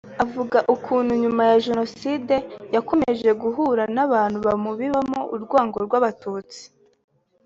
Avuga ukuntu nyuma ya Jenoside yakomeje guhura n’abantu bamubibamo urwango rw’Abatutsi